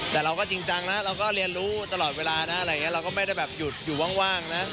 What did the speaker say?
แต่เราก็จริงจังนะเราก็เรียนรู้ตลอดเวลานะอะไรอย่างนี้เราก็ไม่ได้แบบหยุดอยู่ว่างนะ